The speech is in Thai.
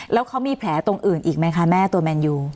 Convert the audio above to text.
แล้วเขามีแผลตรงอื่นอีกไหมคะแม่ตัวแมนยู